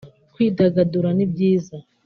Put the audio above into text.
Kwidagadura ni byiza